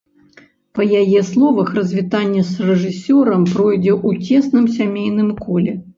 Па яе словах, развітанне з рэжысёрам пройдзе ў цесным сямейным коле.